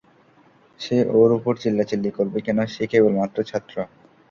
সে ওর উপর চিল্লাচিল্লি করবে কেন, সে কেবলমাত্র ছাত্র!